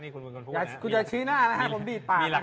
คุณพูดเลยน่ะ